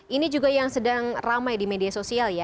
ini juga yang sedang ramai di media sosial ya